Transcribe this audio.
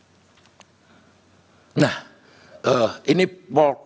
kalau begitu menaruh harapan agar suaranya bisa satu putaran lanjut